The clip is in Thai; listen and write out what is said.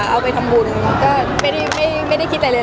เอาไปทำบุญก็ไม่ได้คิดอะไรเลย